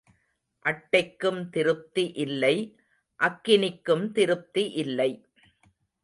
அட்டைக்கும் திருப்தி இல்லை அக்கினிக்கும் திருப்தி இல்லை.